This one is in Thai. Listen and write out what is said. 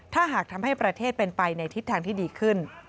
ถ้าหากทำให้ประเทศเป็นไปในทิศทางที่ดีขึ้น